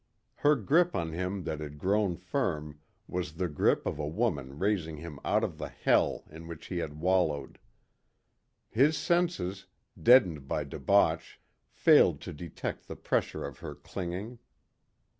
Her grip on him that had grown firm was the grip of a woman raising him out of the Hell in which he had wallowed. His senses, deadened by debauch, failed to detect the pressure of her clinging.